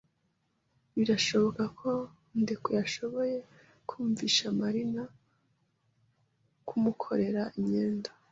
Birashoboka ko Ndekwe yashoboye kumvisha Marina kumukorera imyenda.